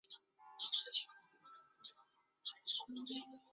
中文版由东立出版社有限公司代理。